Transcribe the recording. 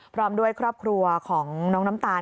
พร้อมด้วยครอบครัวของน้องน้ำตาล